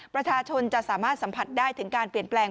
ประชาชนจะสามารถสัมผัสได้ถึงการเปลี่ยนแปลง